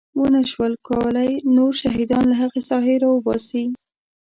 ونه شول کولی نور شهیدان له هغې ساحې راوباسي.